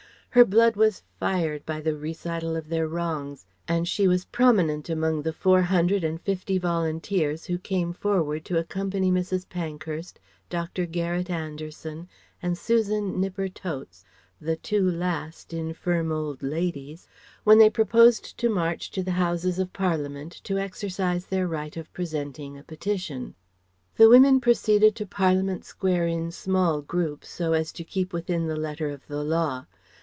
Her blood was fired by the recital of their wrongs and she was prominent among the four hundred and fifty volunteers who came forward to accompany Mrs. Pankhurst, Dr. Garret Anderson and Susan Knipper Totes (the two last, infirm old ladies) when they proposed to march to the Houses of Parliament to exercise their right of presenting a petition. The women proceeded to Parliament Square in small groups so as to keep within the letter of the law.